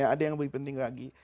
ada yang lebih penting lagi